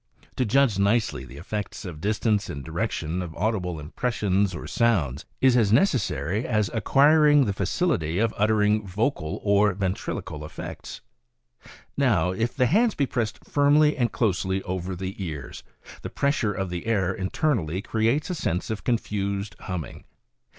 To judge nicely the effects of distance and direction of audible impressions or sounds is as necessary as ac quiring the facility of uttering vocal or ventriloquial effects. .Now, if the hands be pressed firmly and closely over the ears, the pressure of the air internally creates a sense of confused hum ming.